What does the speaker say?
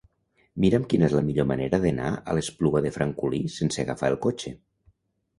Mira'm quina és la millor manera d'anar a l'Espluga de Francolí sense agafar el cotxe.